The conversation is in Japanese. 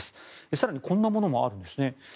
更に、こんなものもあるんです。